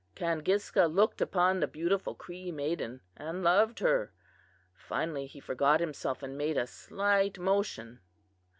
"Kangiska looked upon the beautiful Cree maiden and loved her. Finally he forgot himself and made a slight motion.